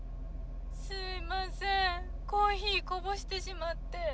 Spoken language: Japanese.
すいませんコーヒーこぼしてしまって。